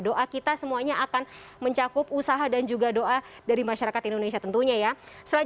doa kita semuanya akan mencakup usaha dan juga doa dari masyarakat indonesia tentunya ya